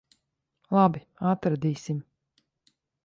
Labi. Atradīsim.